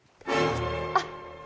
あっ。